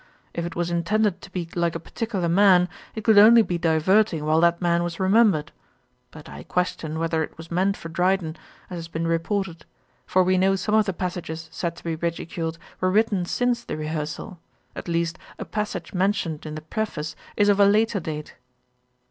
If it was intended to be like a particular man, it could only be diverting while that man was remembered. But I question whether it was meant for Dryden, as has been reported; for we know some of the passages said to be ridiculed, were written since The Rehearsal; at least a passage mentioned in the Preface is of a later date.'